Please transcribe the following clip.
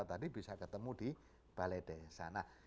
tadi bisa ketemu di balai desa